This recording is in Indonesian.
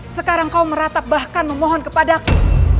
sekarang kau meratap bahkan memohon kepadaku